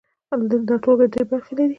دا ټولګه درې برخې لري.